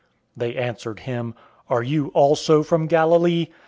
007:052 They answered him, "Are you also from Galilee?